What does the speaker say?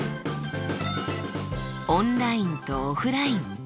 オンラインとオフライン。